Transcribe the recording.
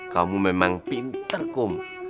kamu memang pinter kum